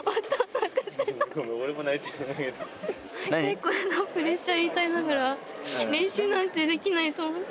これのプレッシャーに耐えながら、練習なんてできないと思って。